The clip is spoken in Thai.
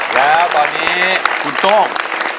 แล้วตอนนี้คุณโต้ง